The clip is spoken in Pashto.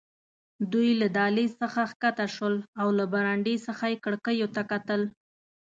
دوی له دهلېز څخه کښته شول او له برنډې څخه یې کړکیو ته کتل.